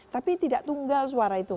tapi tidak tunggal suara itu